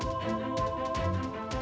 aku raikian santan